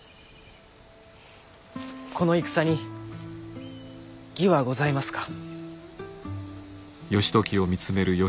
この戦に義はございますか。